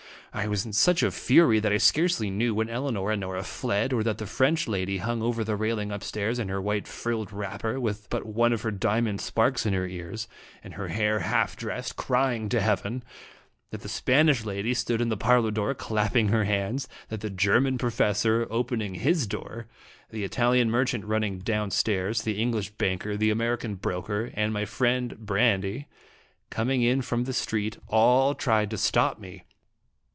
I was in such fury that I scarcely knew when Elinor and Nora fled, or that the French lady hung over the railing up stairs, in her white frilled wrapper, with but one of her diamond sparks in her ears, and her hair half dressed, crying to heaven ; that the Spanish lady stood in the parlor door, clap ping her hands; that the German professor opening his door, the Italian merchant running down stairs, the English banker, the American broker, and my friend Brande, coming in from the street, all tried to stop me.